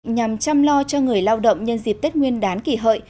nhằm chăm lo cho người lao động nhân dịp tết nguyên đán kỷ hợi